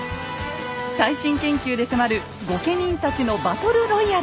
最新研究で迫る御家人たちのバトルロイヤル。